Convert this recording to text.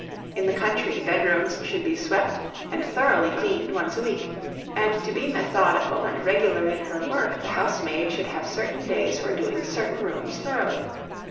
In the country, bedrooms should be swept and thoroughly cleaned once a week; and to be methodical and regular in her work, the housemaid should have certain days for doing certain rooms thoroughly.